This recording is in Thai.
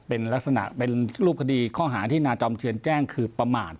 เป็นลักษณะเป็นรูปคดีข้อหาที่นาจอมเทียนแจ้งคือประมาท